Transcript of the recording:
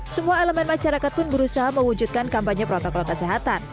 semua elemen masyarakat pun berusaha mewujudkan kampanye protokol kesehatan